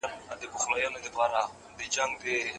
د موجوده توليدي عواملو څخه په پوره مهارت سمه ګټه پورته کړئ.